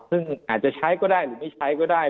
ซึ่งอาจจะใช้ก็ได้หรือไม่ใช้ก็ได้